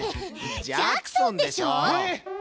ジャクソンでしょ。